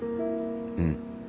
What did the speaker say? うん。